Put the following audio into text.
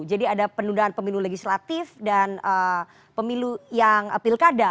jadi ada penundaan pemilu legislatif dan pemilu yang pilkada